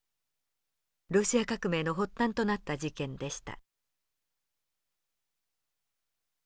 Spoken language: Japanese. ロシア革命の発端となった事件でした。